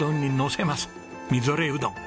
みぞれうどん。